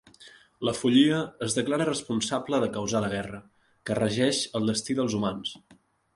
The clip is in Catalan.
La Follia es declara responsable de causar la guerra, que regeix el destí dels humans.